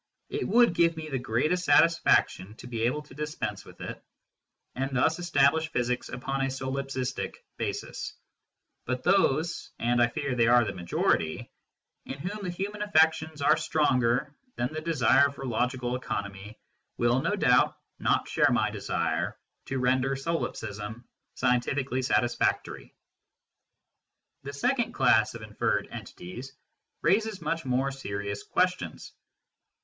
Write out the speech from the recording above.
It would give me the greatest satisfaction to be able to dispense with it, and thus establish physics upon a solipsistic basis ; but those and I fear they are the majority in whom the human affections are stronger than the desire for logical economy, will, no doubt, not share my desire to render solipsism scientifically satisfactory. The second class of inferred entities raises much more serious ques tions.